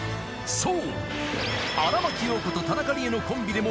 ［そう］